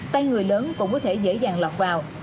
tay người lớn cũng có thể dễ dàng lọt vào